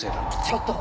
ちょっと！